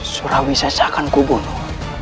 surau seta akan kubunuh